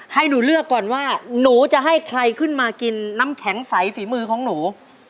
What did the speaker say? ให้หนูเลือกก่อนว่าหนูจะให้ใครขึ้นมากินน้ำแข็งใสฝีมือของหนู